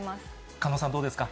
狩野さん、どうですか？